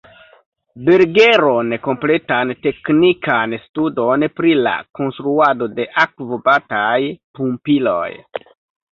Bergeron kompletan teknikan studon pri la konstruado de akvobataj pumpiloj.